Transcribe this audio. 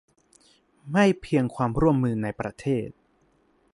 ไม่เพียงความร่วมมือในประเทศ